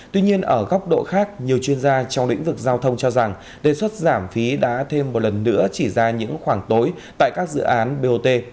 tuy nhiên ở góc độ khác nhiều chuyên gia trong lĩnh vực giao thông cho rằng đề xuất giảm phí đã thêm một lần nữa chỉ ra những khoảng tối tại các dự án bot